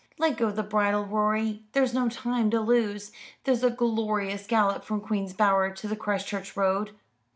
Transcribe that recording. Let go the bridle, Rorie, there's no time to lose. There's a glorious gallop from Queen's Bower to the Christchurch Road."